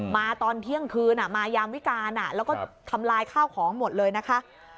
มาตอนเที่ยงคืนมายามวิการแล้วก็ทำลายข้าวของหมดเลยนะคะ